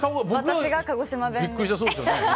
私が鹿児島弁で。